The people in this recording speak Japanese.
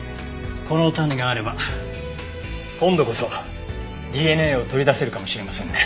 この種があれば今度こそＤＮＡを取り出せるかもしれませんね。